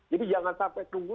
jadi jangan sampai tunggu